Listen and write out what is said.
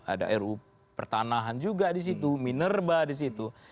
ada ru pertanahan juga di situ minerba di situ